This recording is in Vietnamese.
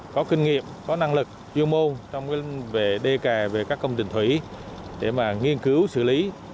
có kinh nghiệm có năng lực chuyên môn trong về đê kè về các công trình thủy để mà nghiên cứu xử lý